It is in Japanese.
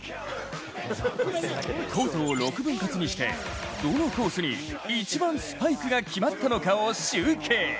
コートを６分割にしてどのコースに一番スパイクが決まったのかを集計。